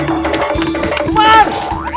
udah tua masih lari